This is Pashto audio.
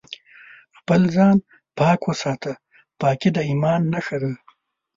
خپل ځان پاک وساته ، پاکي د ايمان نښه ده